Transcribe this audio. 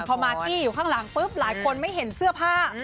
พอมากกี้อยู่ข้างหลังปุ๊บหลายคนไม่เห็นเสื้อผ้า